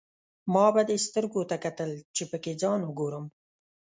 ما به دې سترګو ته کتل، چې پکې ځان وګورم.